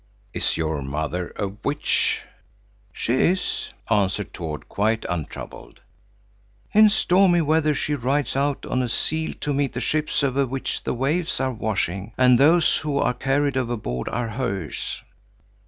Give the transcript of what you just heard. "Is your mother a witch?" "She is," answered Tord, quite untroubled. "In stormy weather she rides out on a seal to meet the ships over which the waves are washing, and those who are carried overboard are hers."